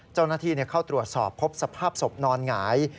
เจ้าหน้าที่เข้าตรวจสอบพบสภาพศพนอนหงาย